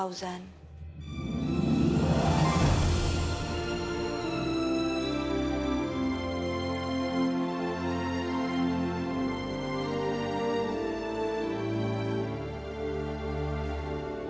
lihat jangan saya aja kok